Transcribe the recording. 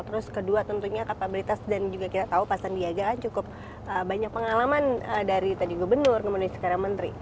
terus kedua tentunya kapabilitas dan juga kita tahu pak sandiaga kan cukup banyak pengalaman dari tadi gubernur kemudian sekarang menteri